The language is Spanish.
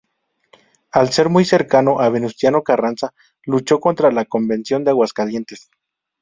Al ser muy cercano a Venustiano Carranza, luchó contra la Convención de Aguascalientes.